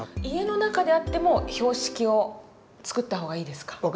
家の中であっても標識を作った方がいいですか。